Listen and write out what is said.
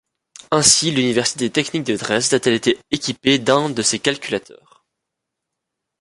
Ainsi l'Université technique de Dresde a-t-elle été équipée d'un de ces calculateurs.